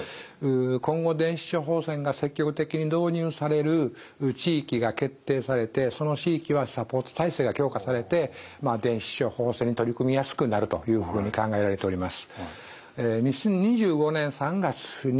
今後電子処方箋が積極的に導入される地域が決定されてその地域はサポート体制が強化されて電子処方箋に取り組みやすくなるというふうに考えられております。